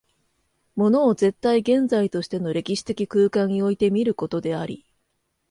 物を絶対現在としての歴史的空間において見ることであり、